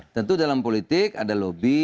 tentu dalam politik ada lobby